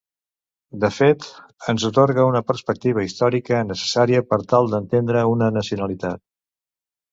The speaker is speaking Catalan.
De fet, ens atorga una perspectiva històrica necessària per tal d’entendre una nacionalitat.